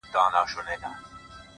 • په هغې باندي چا کوډي کړي؛